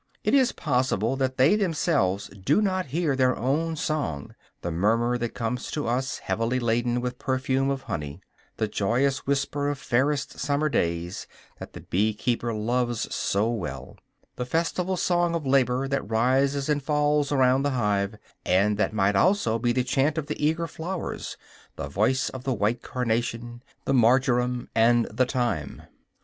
It is possible that they themselves do not hear their own song, the murmur that comes to us heavily laden with perfume of honey, the joyous whisper of fairest summer days that the bee keeper loves so well, the festival song of labor that rises and falls around the hive, and that might almost be the chant of the eager flowers, the voice of the white carnation, the marjoram, and the thyme.